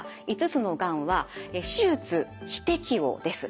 ５つのがんは手術非適応です。